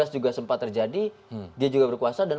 dua ribu enam belas juga sempat terjadi dia juga berkuasa dan